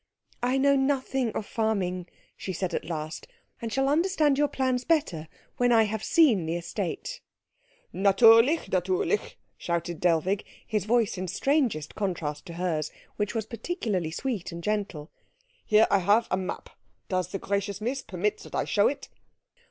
"I know nothing of farming," she said at last, "and shall understand your plans better when I have seen the estate." "Natürlich, natürlich," shouted Dellwig, his voice in strangest contrast to hers, which was particularly sweet and gentle. "Here I have a map does the gracious Miss permit that I show it?"